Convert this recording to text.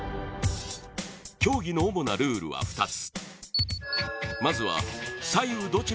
競技の主なルールは２つ。